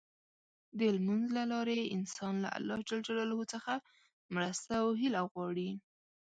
د لمونځ له لارې انسان له الله څخه مرسته او هيله غواړي.